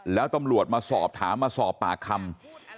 แล้วตำรวจมาสอบถามมาสอบปากคำ